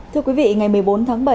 thưa quý vị ngày một mươi bốn tháng bảy